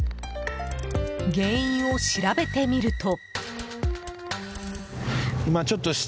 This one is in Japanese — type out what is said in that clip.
原因を調べてみると。